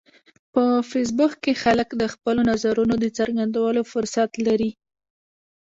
په فېسبوک کې خلک د خپلو نظرونو د څرګندولو فرصت لري